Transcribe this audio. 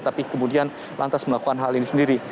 tapi kemudian lantas melakukan hal ini sendiri